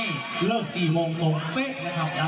ยุดเลยหรอกขออนุญาตยุดไว้อย่างซ้ำนี้เนาะ